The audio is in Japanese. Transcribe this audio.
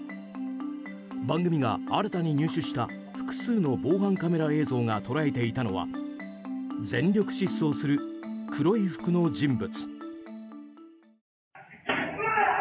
番組が新たに入手した複数の防犯カメラ映像が捉えていたのは全力疾走する黒い服の人物。